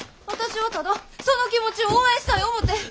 私はただその気持ちを応援したい思て。